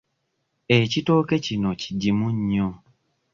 Ekitooke kino kigimu nnyo.